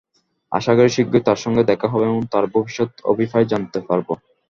আশা করি শীঘ্রই তাঁর সঙ্গে দেখা হবে এবং তাঁর ভবিষ্যৎ অভিপ্রায় জানতে পারব।